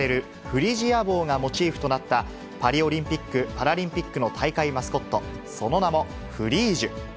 フリジア帽がモチーフとなった、パリオリンピック・パラリンピックの大会マスコット、その名もフリージュ。